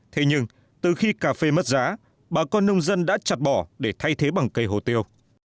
thế nhưng từ khi cà phê mất giá bà con nông dân đã chặt bỏ để thay thế bằng cây hồ tiêu